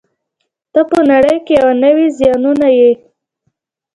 ته په نړۍ کې یوه نوې زياتونه يې.